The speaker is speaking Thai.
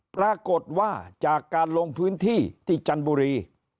ปรากฏว่าจากการลงพื้นที่ที่จันทบุรี